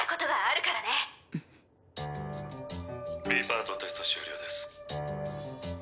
Ｂパートテスト終了です。